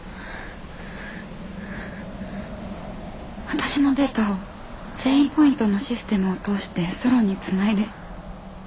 私のデータを善意ポイントのシステムを通してソロンにつないで。